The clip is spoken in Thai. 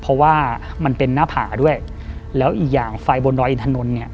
เพราะว่ามันเป็นหน้าผาด้วยแล้วอีกอย่างไฟบนดอยอินถนนเนี่ย